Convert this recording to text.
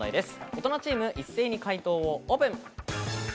大人チーム、一斉に解答をオープン。